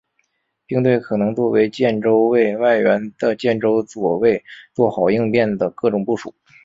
并对可能作为建州卫外援的建州左卫作好应变的各种部署。